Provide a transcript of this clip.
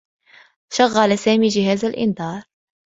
شغّل سامي جهاز الإنذار.